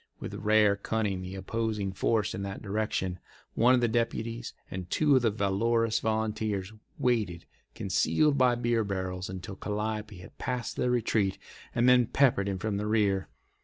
With rare cunning the opposing force in that direction—one of the deputies and two of the valorous volunteers— waited, concealed by beer barrels, until Calliope had passed their retreat, and then peppered him from the rear.